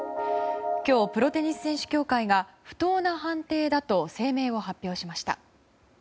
今日、プロテニス選手協会が不当な判定だと声明を発表しました。